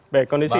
baik kondisi baik